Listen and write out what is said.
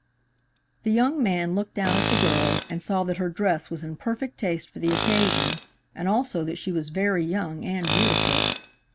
The young man looked down at the girl and saw that her dress was in perfect taste for the occasion, and also that she was very young and beautiful.